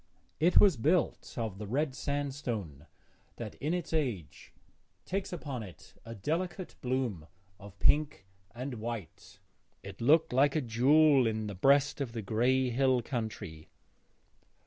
It was built of the red sandstone that in its age takes upon it a delicate bloom of pink and white; it looked like a jewel in the breast of the grey hill country.